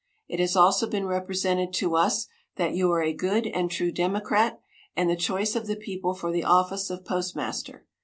It has also been represented to us that you are a good and true Democrat, and the choice of the people for the office of postmaster.